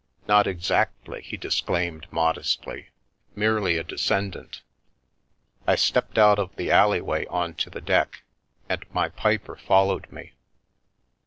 "Not exactly/' he disclaimed modestly; "merely a descendant" I stepped out of the alley way on to the deck, and my piper followed me.